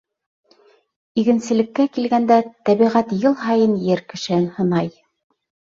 Игенселеккә килгәндә, тәбиғәт йыл һайын ер кешеһен һынай.